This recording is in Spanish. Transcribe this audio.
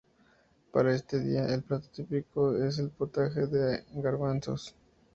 Para este día, el plato típico es el potaje de garbanzos.